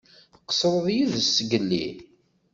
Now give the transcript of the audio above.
Tqeṣṣreḍ yid-s zgelli?